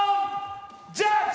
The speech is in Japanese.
ジャッジ！